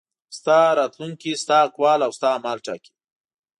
ستا راتلونکی ستا اقوال او ستا اعمال ټاکي.